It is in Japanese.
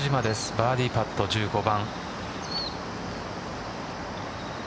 バーディーパット１５番。